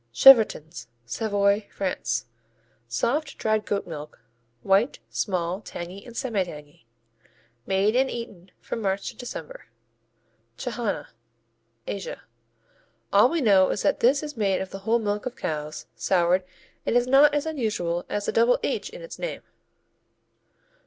Chevrotins Savoy, France Soft, dried goat milk; white; small; tangy and semi tangy. Made and eaten from March to December. Chhana Asia All we know is that this is made of the whole milk of cows, soured, and it is not as unusual as the double "h" in its name.